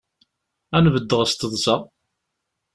Ad n-beddeɣ s teḍsa.